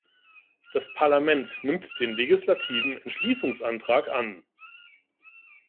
Das Parlament nimmt den legislativen Entschließungsantrag an.